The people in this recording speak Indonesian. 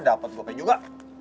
dapet gopek juga